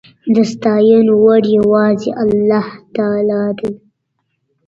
د ستاينو وړ يواځې الله تعالی دی